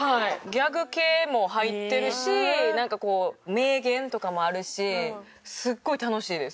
ギャグ系も入ってるしなんかこう名言とかもあるしすっごい楽しいです。